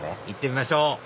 行ってみましょう！